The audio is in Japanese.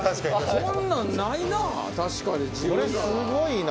これすごいな。